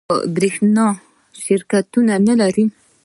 آیا کاناډا د بریښنا شرکتونه نلري؟